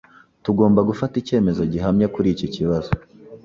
Tugomba gufata icyemezo gihamye kuri iki kibazo.